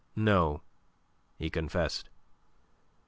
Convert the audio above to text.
"No," he confessed.